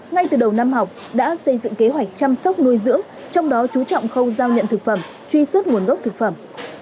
ngay từ đầu năm học đã xây dựng kế hoạch chăm sóc nuôi dưỡng trong đó chú trọng khâu giao nhận thực phẩm truy xuất nguồn gốc thực phẩm